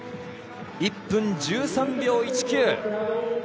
１分１３秒１９。